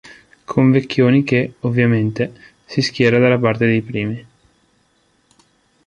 Con Vecchioni che, ovviamente, si schiera dalla parte dei primi.